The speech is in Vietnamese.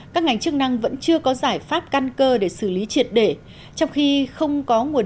các ngành chức năng vẫn chưa có giải pháp căn cơ để xử lý triệt để trong khi không có nguồn